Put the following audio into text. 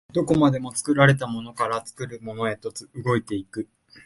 どこまでも作られたものから作るものへと動いて行く。